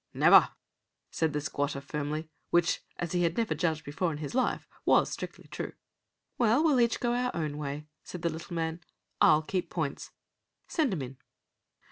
"Never," said the squatter, firmly; which, as he had never judged before in his life, was strictly true. "Well, we'll each go our own way," said the little man. "I'll keep points. Send 'em in."